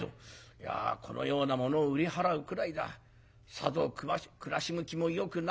いやこのようなものを売り払うくらいださぞ暮らし向きもよくないのであろうな。